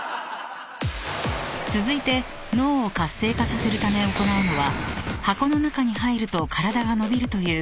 ［続いて脳を活性化させるため行うのは箱の中に入ると体が伸びるという］